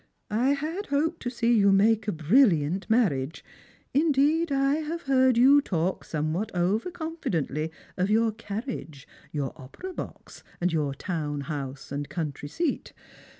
I had hoped to see you make a brilliant mari iage ; indeed I have heard you talk somewhat over confidently of your carriage, your opera box, your town house and country seat.